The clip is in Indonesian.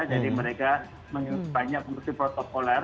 jadi mereka banyak kursi protokoler